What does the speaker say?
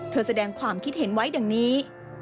เธอแสดงความคิดเห็นไว้อย่างนี้